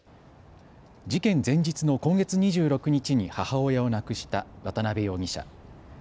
事件前日の今月２６日に母親を亡くした渡邊容疑者。